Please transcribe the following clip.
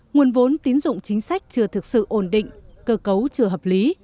nguồn vốn tín dụng chính sách chưa thực sự ổn định cơ cấu chưa hợp lý